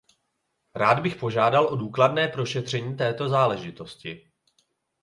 Rád bych požádal o důkladné prošetření této záležitosti.